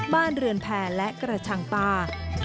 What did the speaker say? บ้านเรือนแพรและกระชังปลา